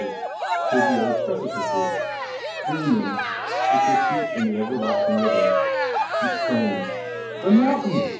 • d the old precipices, dream , with their teet in the everlasting river. He exclaimed, "The mountain!